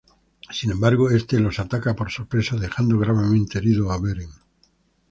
Sin embargo, este los ataca por sorpresa, dejando gravemente herido a Beren.